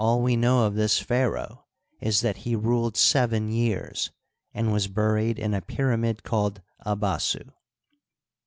we know of this pharaoh is that he ruled seven years, and was buried in a pyramid called Abasu.